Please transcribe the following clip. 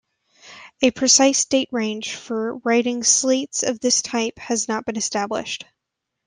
A precise date range for writing slates of this type has not been established.